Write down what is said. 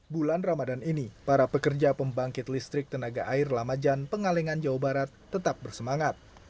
bulan ramadan ini para pekerja pembangkit listrik tenaga air lamajan pengalengan jawa barat tetap bersemangat